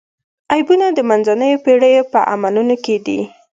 عیبونه د منځنیو پېړیو په عملونو کې دي.